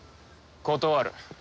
断る。